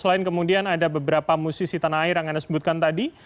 selain kemudian ada beberapa musisi tanah air yang anda sebutkan tadi